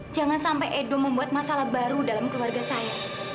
jangan sampai edo membuat masalah baru dalam keluarga saya